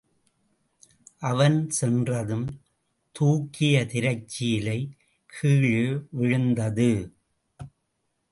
அவன் சென்றதும், தூக்கிய திரைச்சீலை கீழே விழுந்தது.